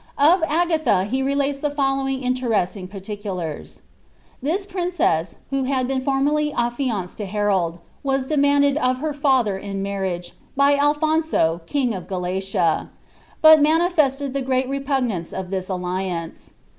Of Agatha he relates the following interesting particulars. ^ This princess, who had been formerly afiianced to Harold, was de manded of her &ther in marriage, by Alphonso king of Galicia ; but manifested the greatest repugnance to this alliance."